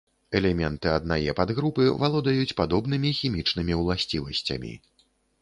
Элементы аднае падгрупы валодаюць падобнымі хімічнымі ўласцівасцямі.